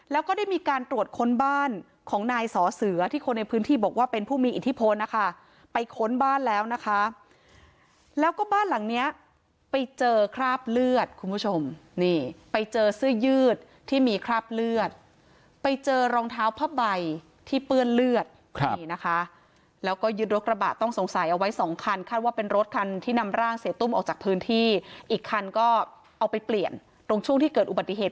แล้วก็ได้มีการตรวจค้นบ้านของนายสอเสือที่คนในพื้นที่บอกว่าเป็นผู้มีอิทธิพลนะคะไปค้นบ้านแล้วนะคะแล้วก็บ้านหลังเนี้ยไปเจอคราบเลือดคุณผู้ชมนี่ไปเจอเสื้อยืดที่มีคราบเลือดไปเจอรองเท้าผ้าใบที่เปื้อนเลือดนี่นะคะแล้วก็ยึดรถกระบะต้องสงสัยเอาไว้สองคันคาดว่าเป็นรถคันที่นำร่างเสียตุ้มออกจากพื้นที่อีกคันก็เอาไปเปลี่ยนตรงช่วงที่เกิดอุบัติเหตุ